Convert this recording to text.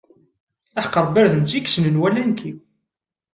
Aḥeqq Rebbi ar d nettat i yessnen wala nekki.